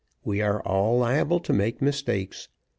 We are all liable to make mistakes.